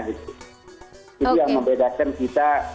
itu yang membedakan kita